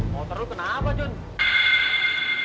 motor lu kenapa jun